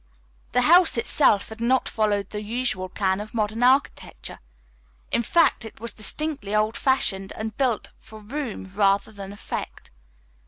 The house itself had not followed the usual plan of modern architecture. In fact, it was distinctly old fashioned and built for room rather than effect.